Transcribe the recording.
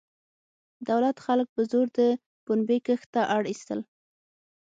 دولت خلک په زور د پنبې کښت ته اړ ایستل.